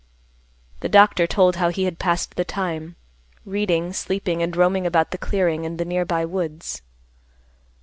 The doctor told how he had passed the time, reading, sleeping and roaming about the clearing and the nearby woods.